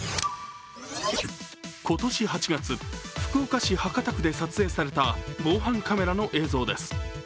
今年８月、福岡市博多区で撮影された防犯カメラの映像です。